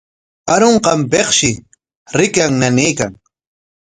Arunqanpikshi rikran nanaykan.